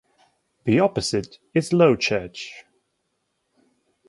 The opposite is low church.